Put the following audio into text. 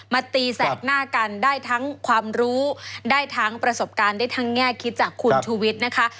ตีแสกหน้ากันได้ทั้งความรู้ได้ทั้งประสบการณ์ได้ทั้งแง่คิดจากคุณชูวิทย์นะคะ